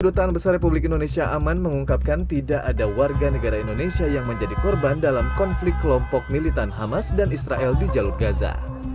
kedutaan besar republik indonesia aman mengungkapkan tidak ada warga negara indonesia yang menjadi korban dalam konflik kelompok militan hamas dan israel di jalur gaza